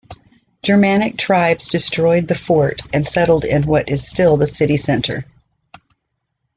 Germanic tribes destroyed the fort and settled in what is still the city centre.